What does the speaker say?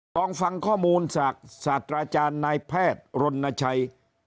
ลองฟังข้อมูลจากศาสตราจารย์นายแพทย์รณชัย